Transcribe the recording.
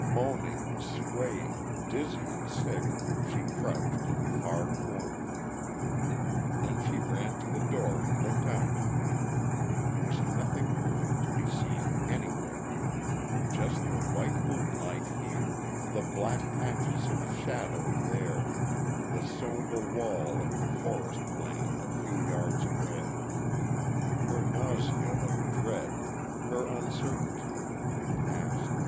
Moaning, swaying, dizzy and sick, she crouched in a far corner. Then she ran to the door and looked out. There was nothing moving to be seen anywhere. Just the white moonlight here, the black patches of shadow there, the sombre wall of the forest land a few yards away. Her nausea of dread, her uncertainty, had passed.